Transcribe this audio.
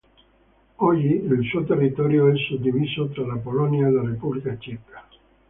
Oggi, il suo territorio è suddiviso tra la Polonia e la Repubblica Ceca.